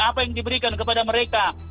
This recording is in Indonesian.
apa yang diberikan kepada mereka